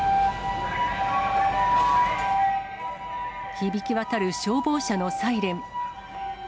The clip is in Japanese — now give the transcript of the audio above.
響き渡る消防車のサイレン。